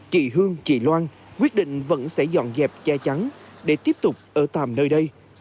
chị hương chị loan quyết định vẫn sẽ dọn dẹp che chắn để tiếp tục ở tạm nơi đây